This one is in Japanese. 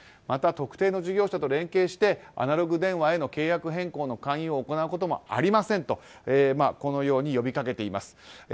また特定の事業者と連携してアナログ電話への契約変更の勧誘を行うこともありませんとこのように呼びかけています。